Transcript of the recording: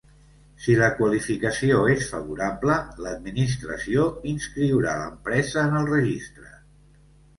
Si la qualificació és favorable, l'Administració inscriurà l'empresa en el Registre.